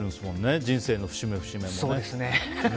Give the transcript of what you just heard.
人生の節目、節目もね。